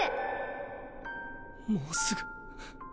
もうすぐ。